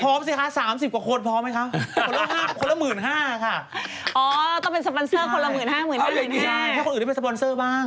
พร้อมสิคะ๓๐กว่าคนพร้อมไหมครับ